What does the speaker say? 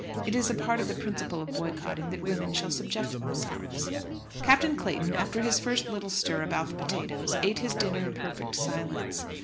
It is a part of the principle of boycotting that women shall subject themselves. Captain Clayton, after his first little stir about the potatoes, ate his dinner in perfect silence.